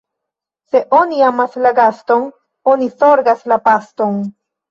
Se oni amas la gaston, oni zorgas la paston.